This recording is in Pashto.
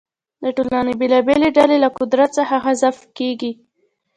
د ټولنې بېلابېلې ډلې له قدرت څخه حذف کیږي.